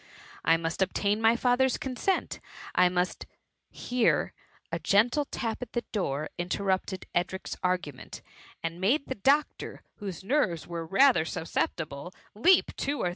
I must obtain my father's con* sent. I must Here a gentle tap at the door interrupted Edric^s argument ; and made the doctor, whose nerves were rather susceptible, leap two or 4St THB MUMMY.